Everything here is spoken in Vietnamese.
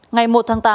ngày một tháng tám